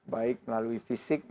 baik melalui fisik